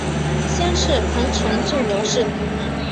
先世彭城郡刘氏。